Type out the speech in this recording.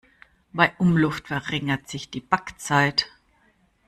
Bei Umluft verringert sich die Backzeit.